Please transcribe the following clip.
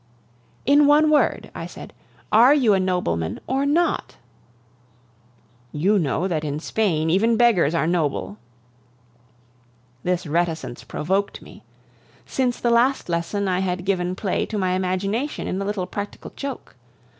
"In one word," I said, "are you a nobleman or not?" "You know that in Spain even beggars are noble." This reticence provoked me. Since the last lesson I had given play to my imagination in a little practical joke.